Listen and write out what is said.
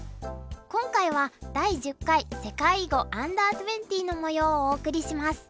今回は第１０回世界囲碁Ｕ−２０のもようをお送りします。